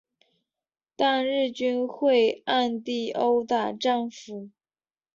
但日军会暗地殴打战俘。